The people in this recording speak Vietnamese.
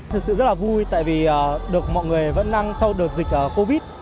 thật sự rất là vui tại vì được mọi người vẫn năng sau đợt dịch covid